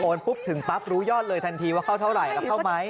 ปุ๊บถึงปั๊บรู้ยอดเลยทันทีว่าเข้าเท่าไหร่แล้วเข้าไหม